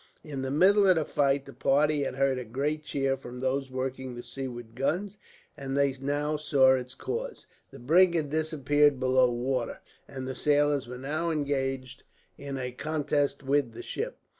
In the middle of the fight, the party had heard a great cheer from those working the seaward guns, and they now saw its cause. The brig had disappeared below the water, and the sailors were now engaged in a contest with the ship.